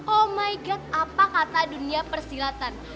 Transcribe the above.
oh my god apa kata dunia persilatan